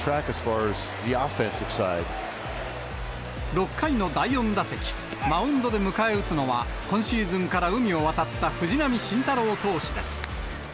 ６回の第４打席、マウンドで迎え撃つのは、今シーズンから海を渡った藤浪晋太郎投手です。